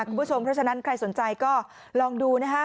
คุณผู้ชมเพราะฉะนั้นใครสนใจก็ลองดูนะคะ